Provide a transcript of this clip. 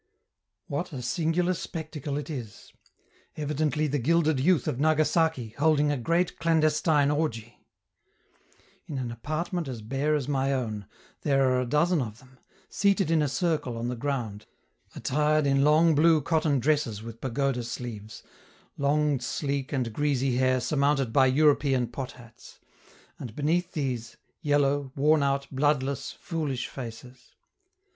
What a singular spectacle it is; evidently the gilded youth of Nagasaki holding a great clandestine orgy! In an apartment as bare as my own, there are a dozen of them, seated in a circle on the ground, attired in long blue cotton dresses with pagoda sleeves, long, sleek, and greasy hair surmounted by European pot hats; and beneath these, yellow, worn out, bloodless, foolish faces.